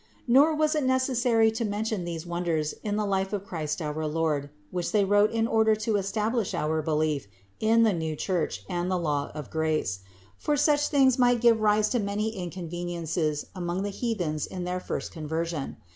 Nor was it necessary to men tion these wonders in the life of Christ our Lord, which they wrote in order to establish our belief in the new Church and the law of grace ; for such things might give rise to many inconveniences among the heathens in their first conversion.